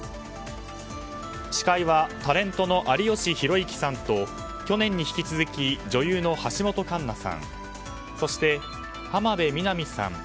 司会はタレントの有吉弘行さんと去年に引き続き女優の橋本環奈さんそして浜辺美波さん